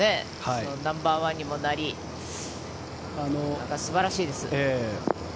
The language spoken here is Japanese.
ナンバーワンにもなり、素晴らしいです。